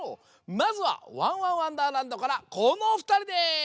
まずは「ワンワンわんだーらんど」からこのおふたりです！